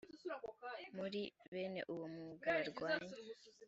muri bene uwo mwuga barwanye